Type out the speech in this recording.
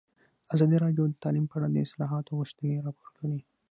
ازادي راډیو د تعلیم په اړه د اصلاحاتو غوښتنې راپور کړې.